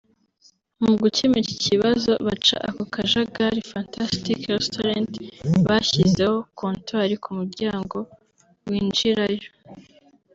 Mu gukemura iki kibazo baca ako kajagari Fantastic Restaurant yashyizeho Comptoir ku muryango winjirayo